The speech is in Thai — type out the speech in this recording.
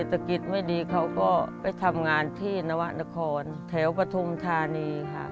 เศรษฐกิจไม่ดีเขาก็ไปทำงานที่นวะนครแถวปฐุมธานีค่ะ